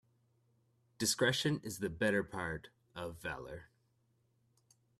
Discretion is the better part of valour.